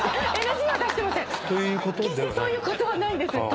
決してそういうことはないです。